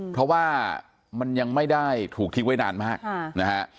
เพราะว่ามันยังไม่ได้ถูกทิ้งไว้นานมากนะฮะ